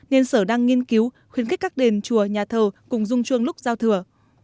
nên sở đang nghiên cứu khuyến khích các đền chùa nhà thờ cùng rung chuông lúc giao thừa